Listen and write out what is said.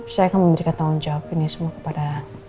saya akan memberikan tanggung jawab ini semua kepada